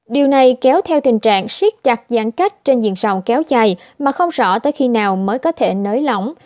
điều này kéo theo tình trạng siết chặt giãn cách trên diện rộng kéo dài mà không rõ tới khi nào mới có thể nới lỏng